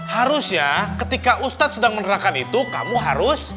harus ya ketika ustadz sedang menerangkan itu kamu harus